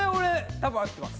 多分合ってます。